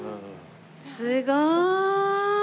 すごーい！